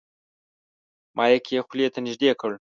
مایک یې خولې ته نږدې کړ.